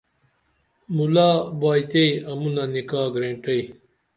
مُلا بائیتائی امونہ نکاہ گرینٹئی